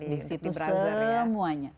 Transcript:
di situ semuanya